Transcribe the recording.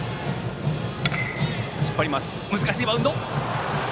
難しいバウンド。